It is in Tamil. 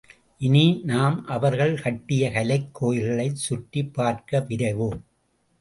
இனி நாம் அவர்கள் கட்டிய கலைக் கோயில்களைச் சுற்றிப் பார்க்க விரைவோம்.